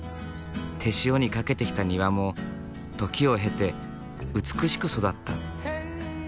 手塩にかけてきた庭も時を経て美しく育った。